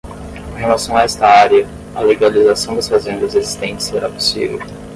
Com relação a esta área, a legalização das fazendas existentes será possível.